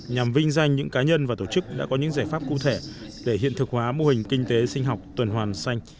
nhằm vinh danh những cá nhân và tổ chức đã có những giải pháp cụ thể để hiện thực hóa mô hình kinh tế sinh học tuần hoàn xanh